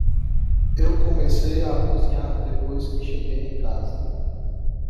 Eu comecei a cozinhar depois que cheguei em casa.